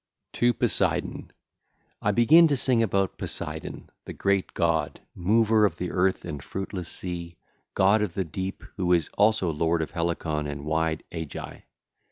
XXII. TO POSEIDON (ll. 1 5) I begin to sing about Poseidon, the great god, mover of the earth and fruitless sea, god of the deep who is also lord of Helicon and wide Aegae.